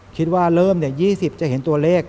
คิดว่าเริ่ม๒๐จะเห็นตัวเลข